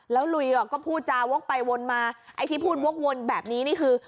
แล้วลุยก็พูดจาวกไปวนมาไอ้ที่พูดวกวนแบบนี้นี่คือ